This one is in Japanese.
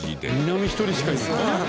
南１人しかいない。